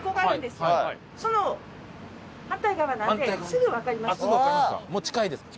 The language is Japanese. すぐわかりますか。